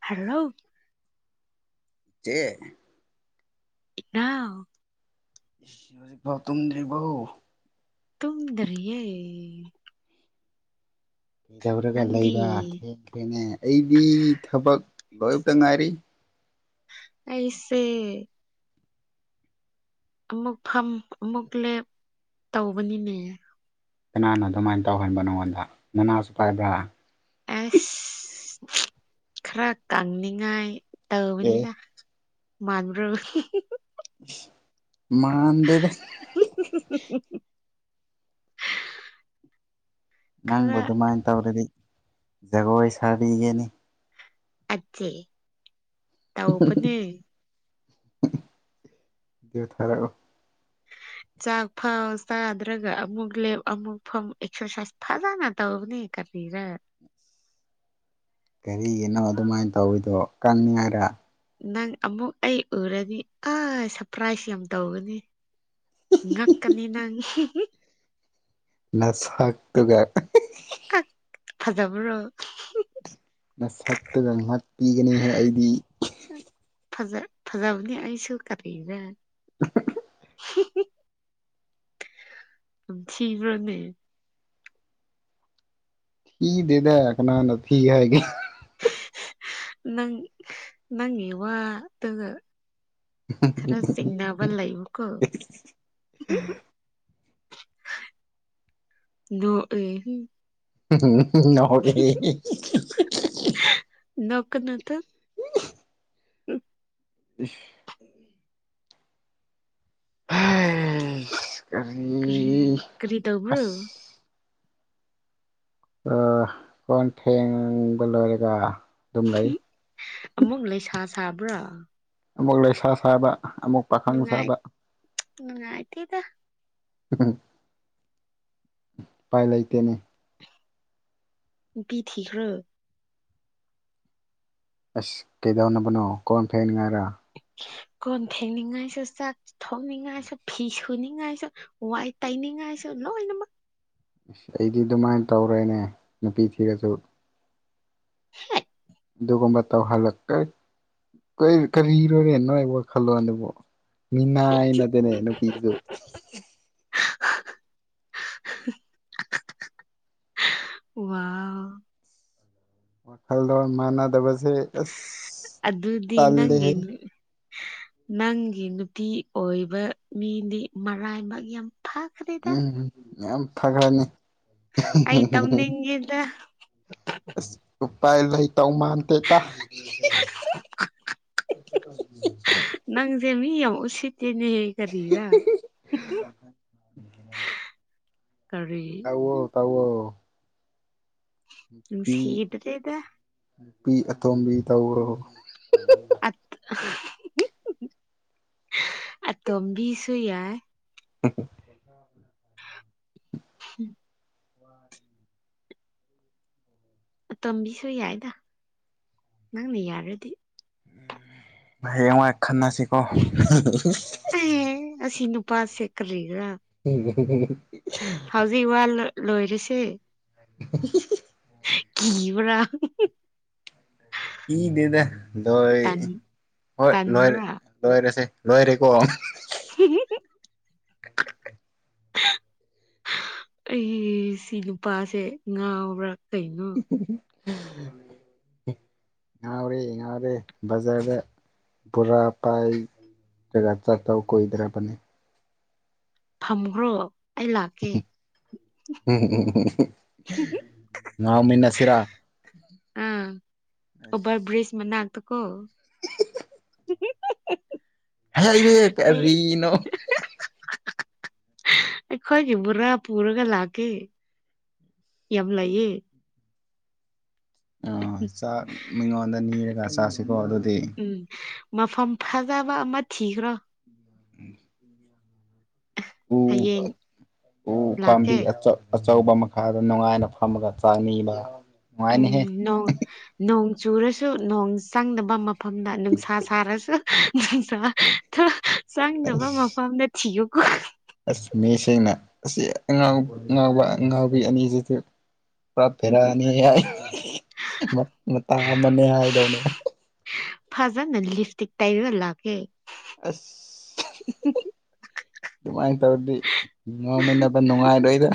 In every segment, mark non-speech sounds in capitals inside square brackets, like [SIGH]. hello ꯆꯦ ꯏꯅꯥꯎ ꯍꯧꯖꯤꯛꯐꯥꯎ ꯇꯨꯝꯗ꯭ꯔꯤꯕꯣ ꯇꯨꯝꯗꯔꯤꯌꯦ ꯀꯩꯗꯧꯔꯒ ꯅꯪꯗꯤ ꯂꯩꯕ ꯊꯦꯡꯈ꯭ꯔꯦꯅꯦ ꯑꯩꯗꯤ ꯊꯕꯛ ꯂꯣꯢꯕꯇ ꯉꯥꯢꯔꯤ ꯑꯩꯁꯦ ꯑꯃꯨꯛ ꯐꯝ ꯑꯃꯨꯛ ꯂꯦꯞ ꯇꯧꯕꯅꯤꯅꯦ ꯀꯅꯥꯅ ꯑꯗꯨꯃꯥꯏꯅ ꯇꯧꯍꯟꯕ ꯅꯉꯣꯟꯗ ꯅꯅꯥꯁꯨ ꯄꯥꯏꯕ꯭ꯔꯥ ꯑꯁ ꯈꯔ ꯀꯪꯅꯤꯡꯉꯥꯏ ꯑꯦ ꯇꯧꯕꯅꯤꯅ ꯃꯥꯟꯕ꯭ꯔꯣ ꯍꯨ ꯍꯨ ꯍꯨ ꯃꯥꯥꯟꯗꯦꯗ ꯅꯪꯕꯨ ꯈꯔ ꯑꯗꯨꯃꯥꯏꯅ ꯇꯧꯔꯗꯤ ꯖꯒꯣꯏ ꯁꯥꯕꯤꯒꯦꯅꯦ ꯑꯠꯆꯦ ꯇꯧꯕꯅꯦ ꯚꯤꯗꯤꯑꯣ ꯊꯥꯔꯛꯑꯣ [INAUDIBLE] ꯆꯥꯛ ꯐꯥꯎ ꯆꯥꯗ꯭ꯔꯒ ꯑꯃꯨꯛ ꯂꯦꯞ ꯑꯃꯨꯛ ꯐꯝ ꯑꯦꯛꯁꯔꯁꯥꯏꯁ ꯐꯖꯅ ꯇꯧꯕꯅꯦ ꯀꯔꯤꯔ [INAUDIBLE] ꯀꯔꯤꯒꯤꯅꯣ ꯑꯗꯨꯃꯥꯏꯅ ꯇꯧꯋꯤꯗꯣ ꯀꯪꯅꯤꯉꯥꯏꯔ ꯅꯪ ꯑꯃꯨꯛ ꯑꯩ ꯎꯔꯗꯤ ꯑꯁ ꯁꯔꯄ꯭ꯔꯥꯏꯖ ꯌꯥꯝ ꯇꯧꯒꯅꯤ ꯉꯛꯀꯅꯤ ꯅꯪ ꯅꯁꯛꯇꯨꯒ ꯀꯛ ꯐꯖꯕꯔꯣ ꯍꯨ ꯍꯨ ꯅꯁꯛꯇꯨꯒ ꯉꯥꯛꯄꯤꯒꯅꯤꯍꯦ ꯑꯩꯗꯤ ꯐꯖ ꯐꯖꯥꯕꯅꯦ ꯑꯩꯁꯨ ꯀꯔꯤꯔꯥ ꯍꯨꯝ ꯍꯨ ꯌꯥꯝ ꯊꯤꯕ꯭ꯔꯅꯦ ꯊꯤꯗꯦꯗ ꯀꯅꯥꯅ ꯊꯤ ꯍꯥꯏꯒꯦ ꯅꯪ ꯅꯪꯒꯤ ꯋꯥꯇꯨꯒ ꯈꯔ ꯆꯤꯡꯅꯕ ꯂꯩꯕꯀꯣ ꯅꯣꯛꯑꯦ ꯍꯨꯡ ꯎꯝꯍꯨ ꯎꯝꯍꯨ ꯅꯥꯎꯑꯦ ꯍꯦꯍꯦꯍꯦ ꯅꯣꯛꯀꯅꯨꯇ ꯢꯁ ꯍꯩꯁ ꯀꯔꯤ ꯀꯔꯤ ꯇꯧꯕ꯭ꯔꯣ ꯑꯁ ꯑꯥ ꯀꯣꯟ ꯐꯦꯡꯕ ꯂꯣꯢꯔꯒ ꯑꯃꯨꯛ ꯂꯩꯁꯥ ꯁꯥꯕ꯭ꯔꯥ ꯑꯃꯨꯛ ꯂꯩꯁꯥ ꯁꯥꯕ ꯑꯃꯨꯛ ꯄꯥꯈꯪ ꯅꯨꯡꯉꯥꯏ ꯁꯥꯕ ꯅꯨꯡꯉꯥꯏꯇꯦꯗ ꯎꯝꯍꯨ ꯄꯥꯏ ꯂꯩꯇꯦꯅꯦ ꯅꯨꯄꯤ ꯊꯤꯈ꯭ꯔꯣ ꯑꯁ ꯀꯩꯗꯧꯅꯕꯅꯣ ꯀꯣꯟ ꯐꯦꯡꯅꯤꯉꯥꯢꯔ ꯀꯣꯟ ꯐꯦꯡꯅꯤꯡꯉꯥꯏꯁꯨ ꯆꯥꯛ ꯊꯣꯡꯅꯤꯡꯉꯥꯏꯁꯨ ꯐꯤ ꯁꯨꯅꯤꯡꯉꯥꯏꯁꯨ ꯋꯥꯏ ꯇꯩꯅꯤꯡ ꯥꯉꯥꯢꯁꯨ ꯂꯣꯢꯅꯃꯛ ꯏꯁ ꯑꯩꯗꯤ ꯑꯗꯨꯃꯥꯏꯅ ꯇꯧꯔꯣꯢꯅꯦ ꯅꯨꯄꯤ ꯊꯤꯔꯁꯨ ꯍꯦꯛ ꯑꯗꯨꯒꯒꯨꯝꯕ ꯇꯧꯍꯜꯂꯛ ꯇꯩ ꯀꯩ ꯀꯔꯤꯔꯣꯅꯦ ꯅꯣꯏ ꯋꯥꯈꯜꯂꯣꯟꯗꯨꯕꯣ ꯃꯤꯅꯥꯢ ꯍꯦꯛ ꯅꯠꯇꯦ ꯅꯦ ꯅꯨꯄꯤꯗꯨ [UNINTELLIGIBLE] [UNINTELLIGIBLE] ꯋꯥꯎ ꯋꯥꯈꯜ ꯂꯣꯟ ꯃꯅꯥ ꯗꯕꯁꯦ ꯑꯁ ꯑꯗꯨꯗꯤ ꯇꯜꯂꯤ ꯅꯪꯒꯤ ꯍꯦ ꯅꯪꯒꯤ ꯅꯨꯄꯤ ꯑꯣꯏꯕ ꯃꯤꯗꯤ ꯃꯔꯥꯏꯕꯛ ꯌꯥꯝ ꯐꯥꯈ꯭ꯔꯦꯗ ꯎꯝ ꯌꯥꯝ ꯐꯈ꯭ꯔꯅꯤ ꯑꯩ ꯇꯧꯅꯤꯡꯉꯦꯗ ꯑꯁ ꯎꯄꯥꯢꯂꯩ ꯇꯧ ꯃꯥꯟꯇꯦ ꯇ [UNINTELLIGIBLE] ꯅꯪꯁꯦ ꯃꯤ ꯌꯥꯝ ꯎꯁꯤꯠꯇꯦꯅꯦ ꯀꯔꯤꯔ [UNINTELLIGIBLE] ꯇꯧꯌꯣ ꯇꯧꯌꯣ ꯄꯤ ꯅꯨꯡꯁꯤꯗ꯭ꯔꯦꯗ ꯄꯤ ꯑꯇꯣꯝꯕꯤ ꯇꯧꯔꯣ [UNINTELLIGIBLE] ꯑꯇꯣꯝꯕꯤꯁꯨ ꯌꯥꯏ [UNINTELLIGIBLE] [UNINTELLIGIBLE] ꯑꯇꯣꯝꯕꯤꯁꯨ ꯌꯥꯏꯗ ꯅꯪꯅ ꯌꯥꯔꯗꯤ ꯍꯥꯌꯦꯡꯋꯥꯢ ꯈꯠꯅꯁꯦ ꯀꯣ ꯄꯥ ꯁꯦ ꯀꯔꯤꯒꯥ ꯍꯧꯖꯤꯛ ꯋꯥ ꯂꯣ ꯂꯣꯏꯔꯁꯦ [UNINTELLIGIBLE] ꯀꯤꯕ꯭ꯔꯥ ꯀꯤꯗꯦꯗ ꯂꯣꯏ ꯇꯟ ꯍꯣꯏ ꯂꯣꯏꯔ ꯇꯟꯕ꯭ꯔꯥ ꯂꯣꯏꯔꯁꯦ ꯂꯣꯢꯔꯦꯀꯣ [UNINTELLIGIBLE] [UNINTELLIGIBLE] [UNINTELLIGIBLE] ꯑꯩ ꯁꯤ ꯅꯨꯄꯥꯁꯦ ꯉꯥꯎꯕ꯭ꯔꯥ ꯀꯩꯅꯣ [UNINTELLIGIBLE] ꯉꯥꯎꯔꯦ ꯉꯥꯎꯔꯦ ꯕꯖꯥꯔꯗ ꯕꯣꯔꯥ ꯄꯥꯏ ꯖꯒꯥ ꯆꯠꯇꯧ ꯀꯨꯏ ꯗꯔꯕꯅꯤ ꯐꯝꯈ꯭ꯔꯣ ꯑꯩ ꯂꯥꯛꯀꯦ [UNINTELLIGIBLE] ꯉꯥꯎꯃꯤꯟꯅ ꯁꯤꯔꯥ ꯑꯥ ꯑꯣꯕꯔ ꯕ꯭ꯔꯤꯖ ꯃꯅꯥꯛꯇꯀꯣ [UNINTELLIGIBLE] ꯍꯥꯏꯔꯦ ꯑꯩ ꯀꯔꯤꯅꯣ ꯑꯩꯈꯣꯏꯒꯤ ꯕꯨꯔꯥ ꯄꯨꯔꯒ ꯂꯥꯛ ꯀꯦ ꯌꯝ ꯂꯩꯌꯦ ꯑꯣ ꯆꯥꯛ ꯃꯤꯉꯣꯟꯗ ꯅꯤꯔꯒ ꯆꯥꯁꯤꯀꯣ ꯑꯗꯨ ꯎꯝ ꯃꯐꯝ ꯐꯖꯕ ꯑꯃ ꯊꯤꯈ꯭ꯔꯣ ꯎ ꯍꯌꯦꯡ ꯎ ꯄꯥꯝꯕꯤ ꯂꯥꯛꯀꯦ ꯑꯆꯧ ꯑꯆꯧꯕ ꯃꯈꯥꯗ ꯅꯨꯡꯉꯥꯏꯅ ꯐꯝꯃꯒ ꯆꯥꯅꯤꯕ ꯅꯨꯡꯉꯥꯏꯅꯤꯍꯦ ꯎꯝ ꯅꯣꯡ ꯅꯣꯡ ꯆꯨꯔꯁꯨ ꯅꯣꯡ ꯆꯪꯗꯕ ꯃꯐꯝꯗ ꯅꯨꯡꯁꯥ ꯁꯥꯔꯁꯨ ꯅꯨꯡꯁꯥ ꯆꯪꯗꯕ ꯑꯁ ꯃꯐꯝꯗ ꯊꯤꯌꯨ ꯑꯁ ꯃꯤꯁꯤꯡꯅ ꯑꯁꯤ ꯑꯉꯥꯎꯕ ꯑꯥ ꯉꯥꯎꯕ ꯑꯉꯥꯎꯕꯤ ꯑꯅꯤꯁꯤꯗꯤ ꯄꯨꯔ ꯕꯦꯔꯅꯤ ꯍꯥꯏ ꯃ ꯃꯇꯥ ꯑꯃꯅꯤ ꯍꯥꯏꯗꯧꯅꯦ ꯐꯖꯟ ꯅ ꯂꯤꯐꯇꯤꯛ ꯇꯩꯔꯒ ꯂꯥꯛꯀꯦ ꯑꯁ ꯎꯝꯍꯨꯝ ꯍꯨꯝ ꯑꯗꯨꯃꯥꯏ ꯇꯧꯔꯗꯤ ꯉꯥꯡꯃꯤꯟꯅꯕ ꯅꯨꯡꯉꯥꯏꯔꯣꯏꯗ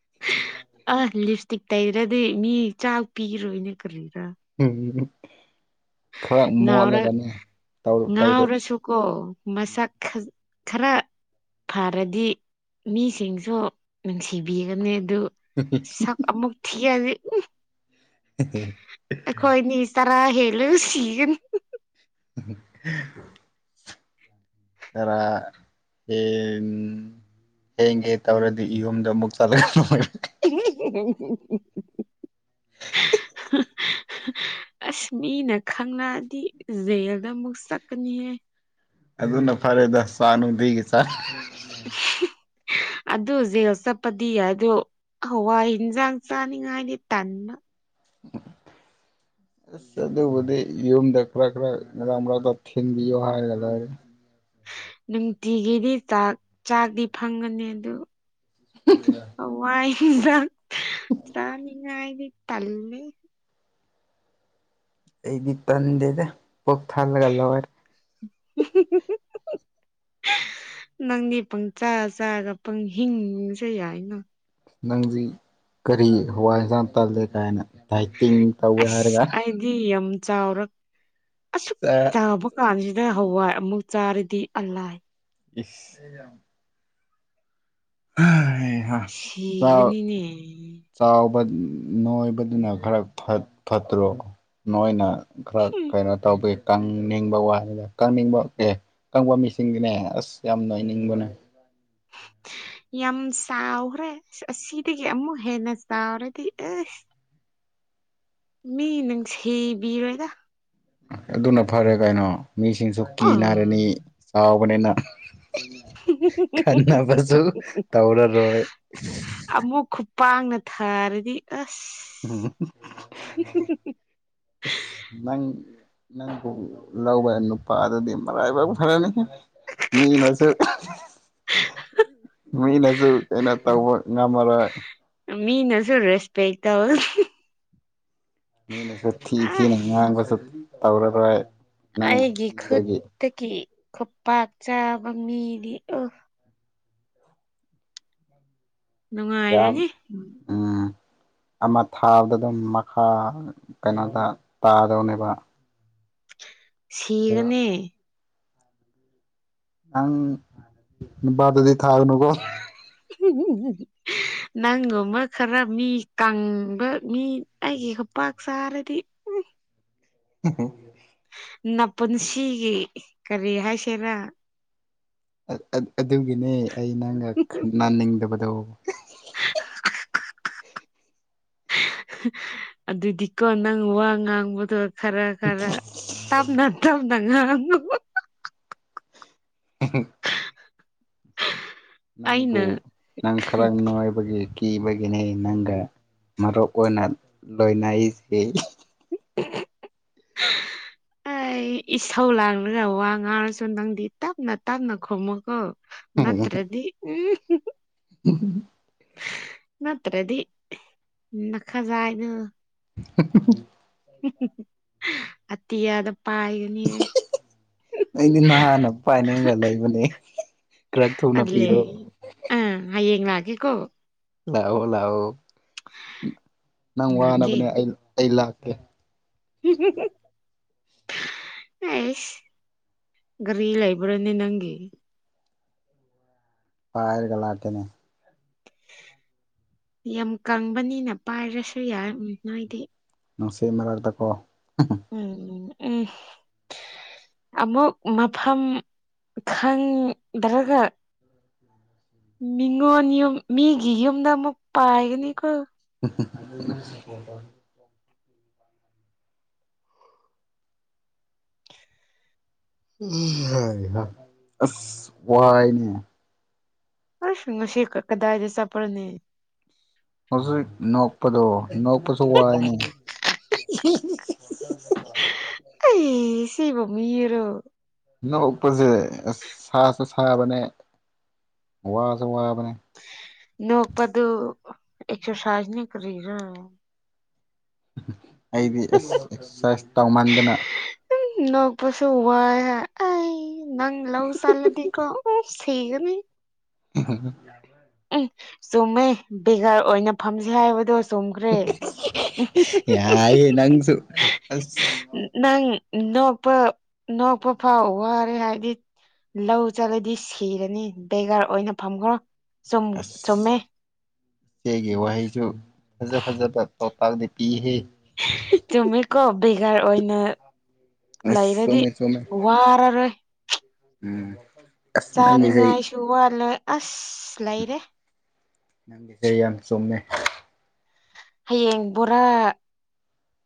[UNINTELLIGIBLE] ꯇꯤꯛ ꯇꯩꯔꯗꯤ ꯃꯤ ꯆꯥꯛ ꯄꯤꯔꯣꯏꯅꯦ ꯀꯔꯤ ꯎꯝ ꯅꯥꯎꯔ ꯇꯧꯗꯣꯏ ꯅꯥꯎꯔꯁꯨꯨꯀꯣ ꯃꯁꯛ ꯈ ꯈꯔ ꯐꯔꯗꯤ ꯃꯤꯁꯤꯡꯁꯨ ꯅꯨꯡꯁꯤꯕꯤꯒꯅꯤ ꯑꯗꯨ ꯁꯛ ꯑꯃꯨꯛ ꯊꯤꯌꯥꯗꯤ ꯑꯩꯈꯣꯏꯅꯤ ꯆꯥꯔꯥ ꯍꯦꯜꯂꯨ ꯁꯤꯒꯅꯤ ꯎꯝꯍꯨ ꯍꯥ ꯆꯔꯥ ꯍꯦꯟ ꯍꯦꯟꯒꯦ ꯇꯧꯔꯗꯤ ꯏꯌꯨꯝꯗ ꯑꯃꯨꯛ ꯆꯠꯂ ꯂꯣꯏꯔꯦ [UNINTELLIGIBLE] [UNINTELLIGIBLE] ꯑꯁ ꯃꯤꯅ ꯈꯪꯂꯛꯑꯗꯤ ꯖꯦꯜꯗ ꯑꯃꯨꯛ ꯆꯠꯀꯅꯤꯍꯦ ꯑꯗꯨꯅ ꯐꯔꯦꯗ ꯆꯥ ꯅꯨꯡꯙꯤꯒꯤ ꯆꯥ ꯑꯗꯨ ꯖꯦꯜ ꯆꯠꯄꯗꯤ ꯌꯥꯏ ꯑꯗꯣ ꯍꯋꯥꯏ ꯍꯤꯟꯖꯥꯡ ꯆꯥꯅꯤꯡꯉꯥꯏꯗꯤ ꯇꯟꯕ ꯑꯁ ꯑꯗꯨꯕꯨꯗꯤ ꯌꯨꯝꯗ ꯈꯔ ꯈꯔ [UNINTELLIGIBLE] ꯊꯤꯟꯕꯤꯌꯣ ꯍꯥꯏꯔꯒ ꯂꯣꯏꯔꯦ ꯅꯨꯡꯇꯤꯒꯤꯗꯤ ꯆꯥꯛ ꯆꯥꯛꯗꯤ ꯐꯪꯉꯅꯤ ꯑꯗꯨ ꯍꯋꯥꯏ ꯍꯤꯟꯁꯥꯡ ꯆꯥꯅꯤꯡꯉꯥꯏꯒꯤ ꯇꯜꯂꯤ ꯑꯩꯗꯤ ꯇꯥꯟꯗꯦꯗ ꯄꯨꯛ ꯊꯜꯂꯒ ꯂꯣꯏꯔꯦ ꯎꯝ ꯍꯨ ꯍꯨꯝ ꯍꯨ ꯎꯝ ꯍꯨ ꯅꯪꯗꯤ ꯄꯪꯆ ꯆꯥꯔꯒ ꯄꯪꯍꯤꯡ ꯍꯤꯡꯕꯁꯨ ꯌꯥꯏꯅ ꯅꯪꯖꯤ ꯀꯔꯤ ꯍꯋꯥꯏ ꯍꯦꯟꯖꯥꯡ ꯇꯜꯂꯦ ꯀꯥꯏꯅ ꯥ ꯗꯥꯏꯇꯤꯡ ꯇꯧꯋꯦ ꯑꯁ ꯍꯥꯏꯔꯒ ꯑꯩꯗꯤ ꯌꯥꯝ ꯆꯥꯎꯔꯛ ꯑꯁꯨꯛ ꯆꯥꯛ ꯆꯥꯎꯕ ꯀꯥꯟꯁꯤꯗ ꯍꯋꯥꯏ ꯑꯃꯨꯛ ꯆꯥꯔꯗꯤ ꯑꯜꯂꯥꯏ ꯏꯁ ꯍꯥꯍꯩꯍꯥ ꯆꯥꯎ ꯁꯤꯒꯅꯤꯅꯦ ꯆꯥꯎ ꯅꯣꯏꯕꯗꯨꯅ ꯈꯔ ꯐꯠ ꯐꯠꯇ꯭ꯔꯣ ꯅꯣꯏꯅ ꯈꯔ ꯍꯨꯝ ꯀꯩꯅꯣ ꯇꯧꯕꯤ ꯀꯪꯅꯤꯡꯕ ꯋꯥꯅꯤꯗ ꯀꯪꯅꯤꯡꯕ ꯑꯦ ꯀꯪꯕ ꯃꯤꯁꯤꯡꯗꯤꯅꯦ ꯑꯁ ꯌꯥꯝ ꯂꯣꯏꯅꯤꯡꯕꯅꯦ [UNINTELLIGIBLE] ꯌꯥꯝ ꯁꯥꯎꯒ꯭ꯔꯦ ꯑꯁꯤꯗꯒꯤ ꯑꯃꯨꯛ ꯍꯦꯟꯅ ꯆꯥꯎꯔꯗꯤ ꯑꯦ ꯃꯤ ꯅꯪꯁꯤꯕꯤꯔꯣꯏꯗ ꯑꯗꯨꯅ ꯐꯔꯦ ꯀꯩꯅꯣ ꯃꯤꯁꯤꯡꯁꯨ ꯑꯥ ꯀꯤꯅꯔꯅꯤ ꯆꯥꯎꯕꯅꯤꯅ ꯈꯟꯅꯕꯁꯨ ꯇꯧꯔꯔꯣꯏ ꯄꯥꯡꯅ ꯊꯥꯔꯗꯤ ꯑꯁ ꯏꯁ ꯅꯪ ꯅꯪꯕꯨ ꯂꯧꯕ ꯅꯨꯄꯥꯗꯨꯗꯤ ꯃꯔꯥꯏꯕꯛ ꯐꯔꯅꯤ ꯃꯤꯅꯁꯨ ꯃꯤꯅꯖꯨ ꯀꯩꯅꯣ ꯇꯧꯕ ꯉꯝꯃꯔꯣꯏ ꯃꯤꯅꯖꯨ ꯔꯦꯁꯄꯦꯛ ꯇꯧꯔ ꯃꯤꯅꯁꯨ ꯊꯤ ꯊꯤꯅ ꯉꯥꯡꯕꯁꯨ ꯇꯧꯔꯔꯣꯏ ꯅꯪ ꯑꯩꯒꯤ ꯀꯤꯕꯒꯤ ꯈꯨꯠꯇꯒꯤ ꯈꯨꯄꯥꯛ ꯆꯥꯕ ꯃꯤꯗꯤ ꯑꯣ ꯌꯥꯝ ꯅꯨꯡꯉꯥꯏꯔꯅꯤ ꯎꯝ ꯑꯃ ꯊꯥꯕꯗ ꯑꯗꯨꯝ ꯃꯈꯥ ꯀꯩꯅꯣꯗꯥ ꯇꯥꯗꯧꯅꯦꯕꯥ ꯁꯤꯒꯅꯤ ꯅꯪ ꯅꯨꯄꯥꯗꯨꯗꯤ ꯊꯥꯒꯅꯨꯀꯣ ꯍꯨꯝ ꯍꯨꯝ ꯍꯨꯝ ꯅꯪꯒꯨꯝꯕ ꯈꯔ ꯃꯤ ꯀꯪꯕ ꯃꯤ ꯑꯩꯒꯤ ꯈꯨꯄꯥꯛ ꯆꯥꯔꯗꯤ ꯎꯝ ꯍꯨꯍꯨ ꯅꯥꯄꯨꯟꯁꯤꯒꯤ ꯀꯔꯤ ꯍꯥꯏꯁꯦꯔꯥ ꯑꯥ ꯑꯥ ꯑꯗꯨꯒꯤꯅꯦ ꯑꯩ ꯅꯪꯒ ꯈꯪꯅꯥꯅꯤꯡꯗꯕꯗꯣ [UNINTELLIGIBLE] ꯑꯗꯨꯗꯤꯀꯣ ꯅꯪ ꯋꯥ ꯉꯥꯡꯕꯗꯣ ꯈꯔ ꯈꯔ ꯇꯥꯞꯅ ꯇꯞꯅ ꯉꯥꯡꯉꯣ [UNINTELLIGIBLE] [UNINTELLIGIBLE] ꯅꯪꯕꯨ ꯑꯩꯅ ꯅꯪ ꯈꯔ ꯅꯣꯏꯕꯒꯤ ꯀꯤꯕꯒꯤꯅꯦ ꯅꯪꯒ ꯃꯔꯨꯞ ꯑꯣꯏꯅ ꯂꯣꯏꯅꯩꯁꯤ [UNINTELLIGIBLE] ꯑꯩ ꯏꯁꯧ ꯂꯥꯡꯂ ꯋꯥ ꯉꯥꯡꯔꯁꯨ ꯅꯪꯗꯤ ꯇꯞꯅ ꯇꯞꯅ ꯈꯨꯝꯃꯨꯀꯣ ꯅꯠꯇ꯭ꯔꯗꯤ ꯎꯝ ꯍꯨꯝ ꯍꯨꯝ [UNINTELLIGIBLE] [UNINTELLIGIBLE] ꯅꯠꯇ꯭ꯔꯗꯤ ꯅꯈꯖꯥꯏꯗꯣ [UNINTELLIGIBLE] ꯍꯨꯝ ꯍꯨꯝ ꯑꯇꯤꯌꯥꯗ ꯄꯥꯏꯒꯅꯤꯌꯦ ꯑꯩꯗꯤ ꯅꯍꯥꯟꯅ ꯄꯥꯏꯅꯤꯡꯒ ꯂꯩꯕꯅꯦ ꯈꯔꯛ ꯊꯨꯅ ꯑꯗꯨꯂꯦ ꯄꯤꯔꯣ ꯑꯥ ꯍꯌꯦꯡ ꯂꯥꯛꯀꯦꯀꯣ ꯂꯥꯛꯑꯣ ꯂꯥꯛꯑꯣ ꯅꯪ ꯂꯥꯛꯀꯦ ꯋꯥꯅꯕꯅꯦ ꯑꯩ ꯑꯩ ꯂꯥꯛꯀꯦ ꯑꯦꯁ ꯒ꯭꯭ꯥꯔꯤ ꯂꯩꯥꯕ꯭ꯔꯅꯦ ꯅꯪꯒꯤ ꯄꯥꯥꯏꯔꯒ ꯂꯥꯛꯀꯦꯅꯦ ꯌꯥꯝ ꯀꯪꯕꯅꯤꯅ ꯄꯥꯏꯔꯁꯨ ꯌꯥ ꯅꯣꯏꯗꯤ ꯅꯨꯡꯁꯤꯠ ꯃꯔꯛꯇꯀꯣ ꯎꯝ ꯎꯝ ꯑꯃꯨꯛ ꯃꯐꯝ ꯈꯪꯗ꯭ꯔꯒ ꯃꯤꯉꯣꯟ ꯌꯨꯝ ꯃꯤꯒꯤ ꯌꯨꯝꯗ ꯑꯃꯨꯛ ꯄꯥꯏꯒꯅꯤꯀꯣ [UNINTELLIGIBLE] [UNINTELLIGIBLE] ꯍꯩ ꯍꯥ ꯑꯁ ꯋꯥꯏꯅꯦ ꯑꯁ ꯉꯁꯤ ꯀꯗꯥꯏꯗꯥ ꯆꯠꯄ꯭ꯔꯥꯅꯦ ꯍꯧꯖꯤꯛ ꯅꯣꯛꯄꯗꯣ ꯅꯣꯛꯄꯖꯨ ꯋꯥꯏꯅꯦ [UNINTELLIGIBLE] [UNINTELLIGIBLE] ꯑꯩ ꯁꯤꯕꯣ ꯃꯤꯔꯣ ꯅꯣꯛꯄꯖꯦ ꯑꯁ ꯁꯥꯁꯨ ꯁꯥꯕꯅꯦ ꯋꯥꯁꯨ ꯋꯥꯕꯅꯦ ꯅꯣꯛꯄꯥꯗꯨ ꯑꯦꯛꯁꯔꯁꯥꯏꯖꯅꯦ ꯀꯔꯤꯔꯥ ꯑꯩꯗꯤ ꯑꯁ ꯑꯦꯛꯁꯔꯁꯥꯏꯁ ꯇꯧꯃꯥꯟꯗꯅ ꯅꯣꯛꯄꯁꯨ ꯋꯥꯏ ꯍꯥꯏ ꯑꯩ ꯅꯪ ꯂꯧ ꯆꯠꯂꯗꯤꯀꯣ ꯎꯝ ꯁꯤꯒꯅꯤ [UNINTELLIGIBLE] ꯆꯨꯝꯃꯦ ꯕꯦꯒ꯭ꯔ ꯑꯣꯏꯅ ꯐꯝꯖꯦ ꯍꯥꯏꯕꯗꯣ ꯊꯣꯝꯈ꯭ꯔꯦ ꯌꯥꯏꯌꯦ ꯅꯪꯁꯨ ꯑꯁ [UNINTELLIGIBLE] ꯅꯪ ꯅꯣꯛꯄ ꯅꯣꯛꯄ ꯐꯥꯎ ꯋꯥꯔꯦ ꯍꯥꯏꯗꯤ ꯂꯧ ꯆꯠꯂꯗꯤ ꯁꯤꯔꯅꯤ ꯕꯦꯒ꯭ꯔ ꯑꯣꯏꯅ ꯐꯝꯈ꯭ꯔꯣ ꯆꯨꯝꯃꯦ ꯢꯆꯦꯒꯤ ꯋꯥꯍꯩꯁꯨ ꯐꯖ ꯐꯖꯕ ꯄꯥꯎꯇꯥꯛꯗꯤ ꯄꯤꯍꯦ [UNINTELLIGIBLE] ꯆꯨꯝꯃꯦꯀꯣ ꯚꯦꯒ꯭ꯔ ꯑꯣꯏꯅ ꯑꯁ ꯂꯩꯔꯗꯤ ꯆꯨꯝꯃꯦ ꯆꯨꯝꯃꯦ ꯋꯥꯔꯔꯣꯏ ꯎꯝ ꯑꯁ ꯅꯪꯒꯤꯁꯦ ꯆꯥꯅꯤꯡꯉꯥꯏꯁꯨ ꯋꯥꯠꯂꯦ ꯑꯁ ꯂꯩꯔꯦ ꯅꯪꯒꯤꯁꯦ ꯌꯥꯝ ꯆꯨꯝꯃꯦ ꯍꯌꯦꯡ ꯕꯣꯔꯥ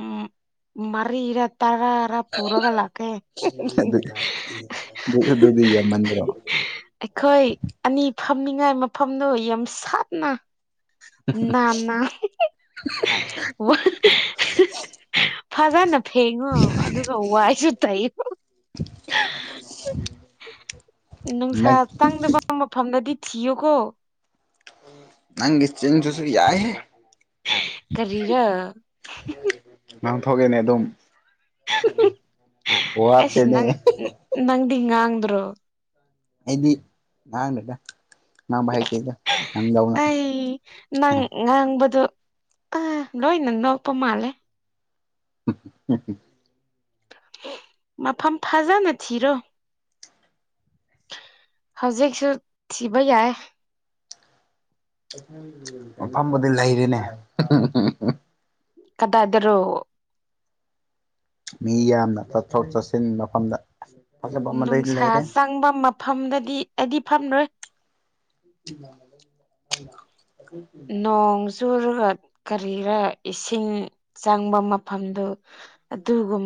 ꯎꯝ ꯃꯔꯤꯔ ꯇꯔꯥꯔ ꯄꯨꯔꯒ ꯂꯥꯛꯀꯦ ꯑꯗꯨ [UNINTELLIGIBLE] ꯑꯗꯨ ꯑꯗꯨꯗꯤ ꯌꯥꯝꯃꯟꯗ꯭ꯔꯣ ꯑꯩꯈꯣꯏ ꯑꯅꯤ ꯐꯝꯃꯤꯉꯥꯏ ꯃꯐꯝꯗꯣ ꯌꯥꯝ ꯁꯥꯠꯅ ꯅꯥꯟꯅ ꯋꯥ [UNINTELLIGIBLE] [UNINTELLIGIBLE] ꯐꯖꯅ ꯐꯦꯡꯉꯣ ꯑꯗꯨꯒ ꯋꯥꯏꯁꯨ ꯇꯩꯌꯨ [UNINTELLIGIBLE] ꯅꯨꯡꯁꯥ ꯅꯪ ꯆꯪꯗꯕ ꯃꯐꯝꯗꯗꯤ ꯊꯤꯌꯨꯀꯣ ꯅꯪꯒꯦ ꯆꯤꯟꯁꯤ ꯌꯥꯢꯌꯦꯍꯦ ꯀꯔꯤꯔ ꯉꯥꯡꯊꯣꯛꯑꯦꯅꯦ ꯑꯗꯨꯝ ꯑꯁ ꯋꯥꯠꯇꯦꯅꯦ ꯅꯪ ꯅꯪꯗꯤ ꯉꯥꯡꯗ꯭ꯔꯣ ꯑꯩꯗꯤ ꯉꯥꯡꯗꯦꯗ ꯉꯥꯡꯕ ꯍꯩꯇꯦꯗ ꯅꯪꯗꯧꯅ ꯑꯩ ꯅꯪ ꯉꯥꯡꯕꯗꯣ ꯑ ꯂꯣꯏ ꯅ ꯅꯣꯄ ꯃꯥꯂꯦ [UNINTELLIGIBLE] ꯃꯐꯝ ꯐꯥꯖꯥꯅ ꯊꯤꯔꯣ ꯍꯧꯖꯤꯛꯁꯨ ꯇꯤꯕ ꯌꯥꯏ ꯃꯄꯥꯝꯕꯨꯗꯤ ꯂꯩꯔꯦꯅꯦ ꯀꯗꯥꯏꯗꯔꯣ ꯃꯤ ꯌꯥꯝꯅ ꯆꯠꯊꯣꯛ ꯆꯠꯁꯤꯟ ꯃꯐꯝꯗ ꯐꯖꯕ ꯑꯃꯗꯤ ꯅꯨꯡꯁꯥ ꯂꯩꯔꯦ ꯆꯪꯕ ꯃꯐꯝꯗꯗꯤ ꯑꯩꯗꯤ ꯐꯝꯂꯣꯏ [UNINTELLIGIBLE] ꯅꯣꯡ ꯆꯨꯔꯒ ꯀꯔꯤꯔꯥ ꯏꯁꯤꯡ ꯆꯪꯕ ꯃꯐꯝꯗꯨ ꯑꯗꯨꯨꯒꯨꯝ